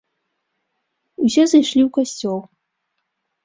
Усе зайшлі ў касцёл.